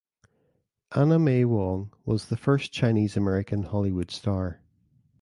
Anna May Wong was the first Chinese American Hollywood star.